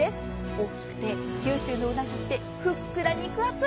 大きくて九州のうなぎってふっくら肉厚。